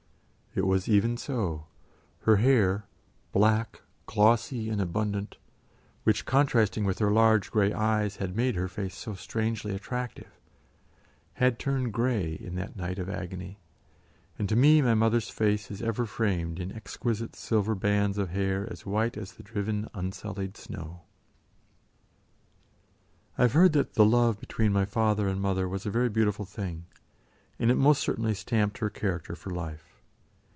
It was even so; her hair, black, glossy and abundant, which, contrasting with her large grey eyes, had made her face so strangely attractive, had turned grey in that night of agony, and to me my mother's face is ever framed in exquisite silver bands of hair as white as the driven unsullied snow. I have heard that the love between my father and mother was a very beautiful thing, and it most certainly stamped her character for life.